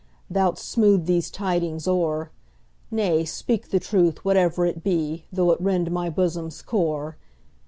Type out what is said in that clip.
Thou 'dst smooth these tidings o'er,—Nay, speak the truth, whatever it be, Though it rend my bosom's core.